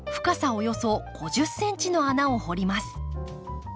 およそ５０ｃｍの穴を掘ります。